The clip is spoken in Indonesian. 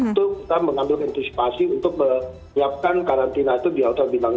itu kita mengambil antisipasi untuk menyiapkan karantina itu di hotel bintang dua